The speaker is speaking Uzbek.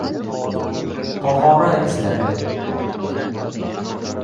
Tog‘ora izladi.